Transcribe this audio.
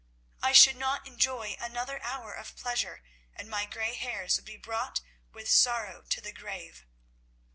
I should not enjoy another hour of pleasure, and my grey hairs would be brought with sorrow to the grave."